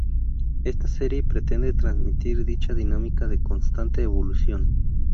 Esta serie pretende transmitir dicha dinámica de constante evolución.